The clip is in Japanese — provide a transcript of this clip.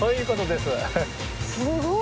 すごい！